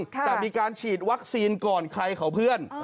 แต่มีการเฉียบแรกสีนก่อนใครขอเพื่อน